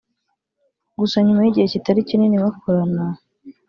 Gusa nyuma y’igihe kitari kinini bakorana